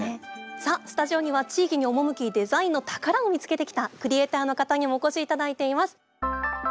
さあスタジオには地域に赴きデザインの宝を見つけてきたクリエーターの方にもお越し頂いています。